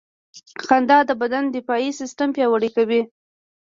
• خندا د بدن دفاعي سیستم پیاوړی کوي.